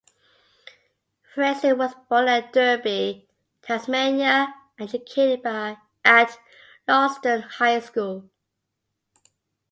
Fraser was born in Derby, Tasmania and educated at Launceston High School.